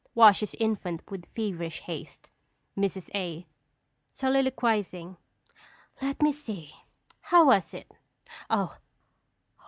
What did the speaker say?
Washes infant with feverish haste._] Mrs. A. (soliloquizing). Let me see! How was it? Oh!